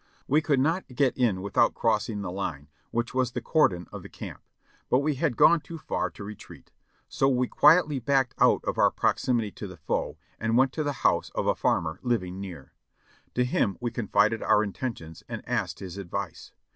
We could not get in with out crossing the line, which was the cordon of the camp. But we had gone too far to retreat, so we quietly backed out of our proximity to the foe and went to the house of a farmer living near. To him we confided our intentions and asked his advice.